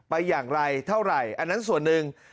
ไปอย่างไรเท่าไหร่อันนั้นส่วนหนึ่ง